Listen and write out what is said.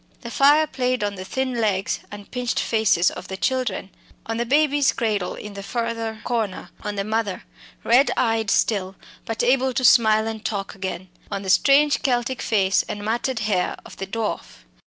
The fire played on the thin legs and pinched faces of the children; on the baby's cradle in the further corner; on the mother, red eyed still, but able to smile and talk again; on the strange Celtic face and matted hair of the dwarf.